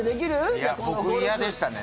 いや僕嫌でしたね